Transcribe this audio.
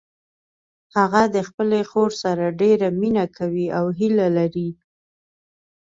هغه د خپلې خور سره ډیره مینه کوي او هیله لري